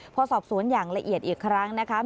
พอสอบสวนอย่างละเอียดอีกครั้งนะคะ